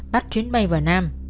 bắt chuyến bay vào nam